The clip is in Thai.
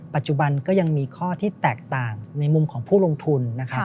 ปัจจุบันก็ยังมีข้อที่แตกต่างในมุมของผู้ลงทุน